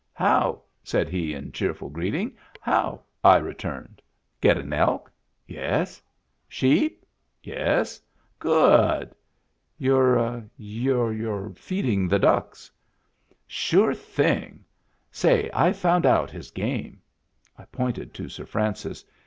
" How!" said he in cheerful greeting. " How !" I returned. "Get an elk?" " Yes." "Sheep?" " Yes." "Good!" " You — you're — you're feeding the ducks." " Sure thing I — Say, I've found out his game." I pointed to Sir Francis.